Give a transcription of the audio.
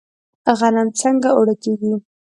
غنم څنګه اوړه کیږي؟